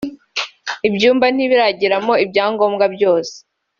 Ibyumba ntibirageramo ibyangombwa byose